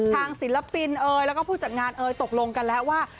ศิลปินเอ๋ยแล้วก็ผู้จัดงานเอ่ยตกลงกันแล้วว่า